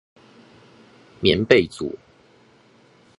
棉被組